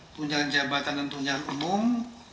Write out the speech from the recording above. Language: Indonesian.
tunjangan jabatan dan tunjangan umum